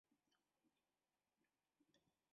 多亏孙膑说情留下。